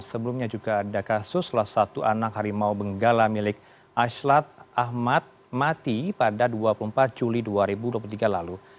sebelumnya juga ada kasus salah satu anak harimau benggala milik ashlat ahmad mati pada dua puluh empat juli dua ribu dua puluh tiga lalu